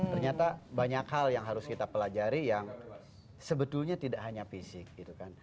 ternyata banyak hal yang harus kita pelajari yang sebetulnya tidak hanya fisik gitu kan